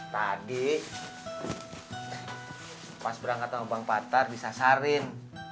tadi pas berangkat sama bang patar disasarin